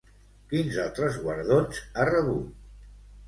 Quins altres guardons ha rebut?